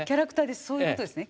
そういうことですね。